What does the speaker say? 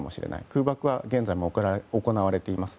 空爆は現在も行われています。